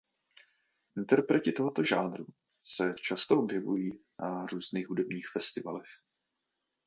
Interpreti tohoto žánru se často objevují na různých hudebních festivalech.